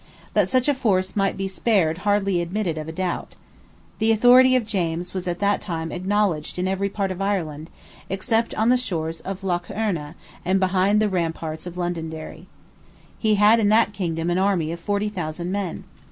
That such a force might be spared hardly admitted of a doubt. The authority of James was at that time acknowledged in every part of Ireland, except on the shores of Lough Erne and behind the ramparts of Londonderry. He had in that kingdom an army of forty thousand men.